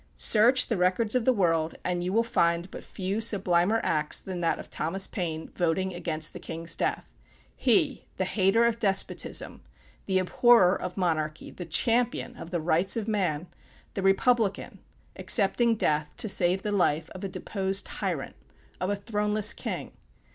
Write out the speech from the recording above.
Search the records of the world and you will find but few sublimer acts than that of Thomas Paine voting against the king's death. He, the hater of despotism, the abhorrer of monarchy, the champion of the rights of man, the republican, accepting death to save the life of a deposed tyrant of a throneless king.